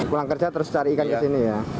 pulang kerja terus cari ikan ke sini ya